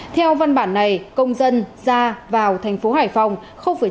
theo văn bản này công dân ra vào tp hcm không phải chỉnh